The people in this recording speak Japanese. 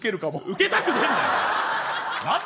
ウケたくねえんだよ。